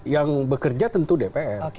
yang bekerja tentu dpr